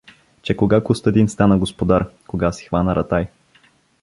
Че кога Костадин стана господар, кога си хвана ратай!